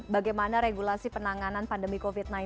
bagaimana regulasi penanganan pandemi covid sembilan belas